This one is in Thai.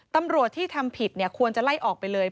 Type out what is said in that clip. ตำรวจที่ทำผิดควรจะไล่ออกไปเลย